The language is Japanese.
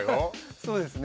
そうですね